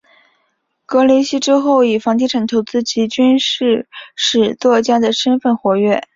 格雷西之后以房地产投资及军事史作家的身分活跃。